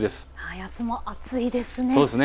あすも暑いですね。